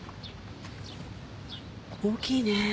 大きいね。